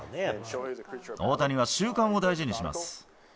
大谷は習慣を大事にします。